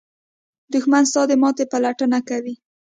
دښمن ستا د ماتې پلټنه کوي